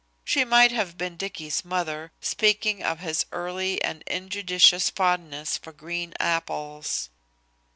She might have been Dicky's mother, speaking of his early and injudicious fondness for green apples.